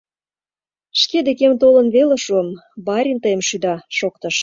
Шке декем толын веле шуым, «барин тыйым шӱда», — шоктыш.